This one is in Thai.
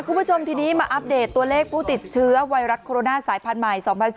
คุณผู้ชมทีนี้มาอัปเดตตัวเลขผู้ติดเชื้อไวรัสโคโรนาสายพันธุ์ใหม่๒๐๑๙